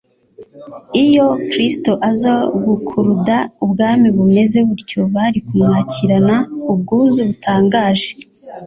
Iyo Kristo aza gukuruda ubwami bumeze butyo bari kumwakirana ubwuzu butangaje.